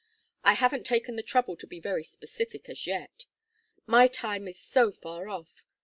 I haven't taken the trouble to be very specific as yet. My time is so far off.